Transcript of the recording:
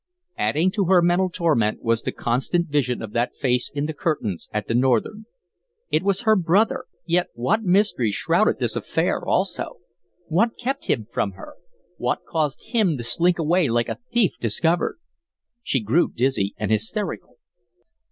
Adding to her mental torment was the constant vision of that face in the curtains at the Northern. It was her brother, yet what mystery shrouded this affair, also? What kept him from her? What caused him to slink away like a thief discovered? She grew dizzy and hysterical.